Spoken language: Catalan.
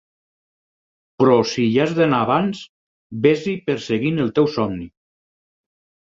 Però si hi has d'anar abans, ves-hi perseguint el teu somni.